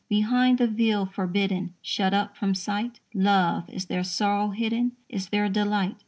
Behind the veil, forbidden, Shut up from sight, Love, is there sorrow hidden, Is there delight?